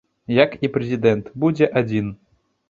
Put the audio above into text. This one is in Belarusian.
Як і прэзідэнт будзе адзін.